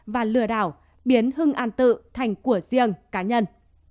và lừa đảo biến hưng an tự thành của riêng cá nhân